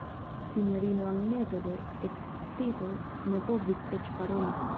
Sinjorino Anneto de ekscito ne povis eĉ paroli.